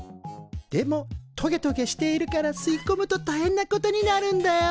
でもトゲトゲしているから吸いこむとたいへんなことになるんだよ。